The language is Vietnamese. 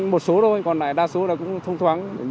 một số thôi còn lại đa số là cũng thông thoáng